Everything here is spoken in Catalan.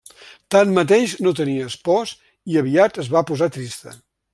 Tanmateix, no tenia espòs, i aviat es va posar trista.